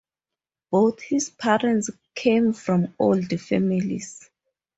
Both his parents came from "old" families.